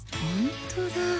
ほんとだ